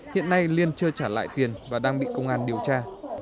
hiện nay liên chưa trả lại tiền và đang bị công an điều tra